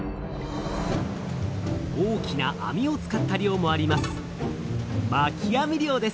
大きなあみを使った漁もあります。